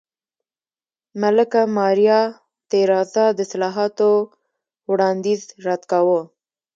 ملکه ماریا تېرازا د اصلاحاتو وړاندیز رد کاوه.